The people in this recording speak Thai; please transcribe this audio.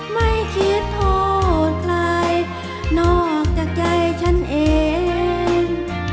ไม่คิดโทษใครนอกจากใจฉันเอง